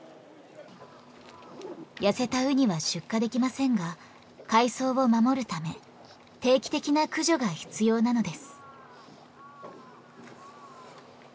痩せたウニは出荷できませんが海藻を守るため定期的な駆除が必要なのです。